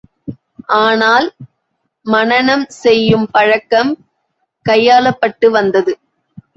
ஆனால், மனனம் செய்யும் பழக்கம் கையாளப்பட்டு வந்தது.